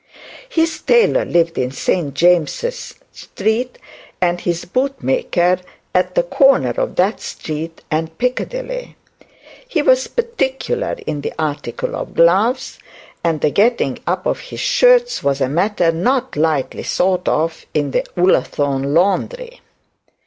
His tailor lived in St James's Street, and his bootmaker at the corner of that street and Piccadilly. He was particular in the article of gloves, and the getting up of his shirts was a matter not lightly thought of in the Ullathorne laundry.